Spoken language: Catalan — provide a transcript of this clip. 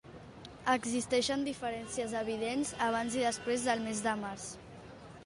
Existeixen diferències evidents abans i després del mes de març.